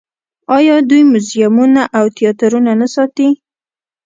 آیا دوی موزیمونه او تیاترونه نه ساتي؟